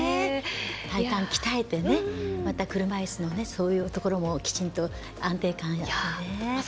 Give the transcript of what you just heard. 体幹鍛えて車いすのそういうところもきちんと安定感をね。